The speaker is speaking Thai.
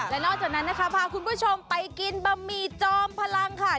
และนอกจากนั้นนะคะพาคุณผู้ชมไปกินบะหมี่จอมพลังค่ะ